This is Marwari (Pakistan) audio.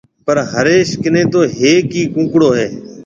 پر هريش ڪنَي تو هيَڪ ئي ڪونڪڙو هيَ۔